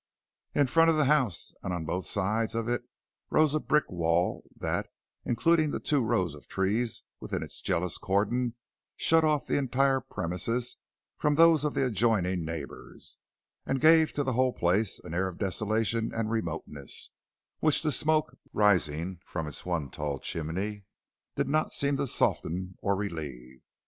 In front of the house and on both sides of it rose a brick wall that, including the two rows of trees within its jealous cordon, shut off the entire premises from those of the adjoining neighbors, and gave to the whole place an air of desolation and remoteness which the smoke rising from its one tall chimney did not seem to soften or relieve.